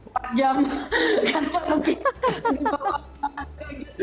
karena lagi di bawah